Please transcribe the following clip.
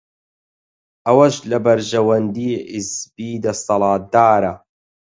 ئەوەش لە بەرژەوەندیی حیزبی دەسەڵاتدارە